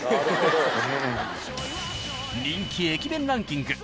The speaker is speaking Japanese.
［人気駅弁ランキング］